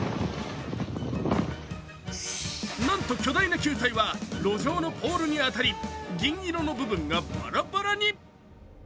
なんと巨大な球体は路上のポールに当たり銀色の部分がばらばらに。